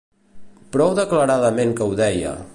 Prou declaradament que ho deia.